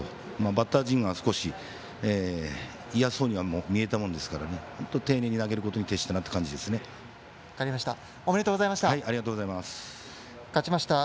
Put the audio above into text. バッター陣が少し嫌そうには見えたものですから本当に丁寧に投げることに徹したなと思いましたね。